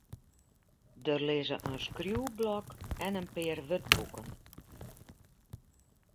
Der lizze in skriuwblok en in pear wurdboeken.